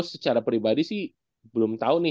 secara pribadi sih belum tahu nih